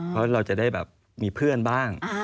เพราะเราจะได้แบบมีเพื่อนบ้าง